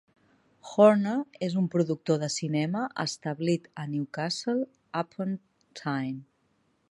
Horner és un productor de cinema establit a Newcastle upon Tyne.